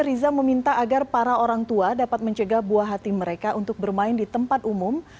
riza meminta agar para orang tua dapat mencegah buah hati mereka untuk bermain di tempat umum